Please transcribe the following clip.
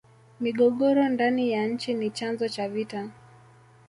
migogoro ndani ya nchi ni chanzo cha vita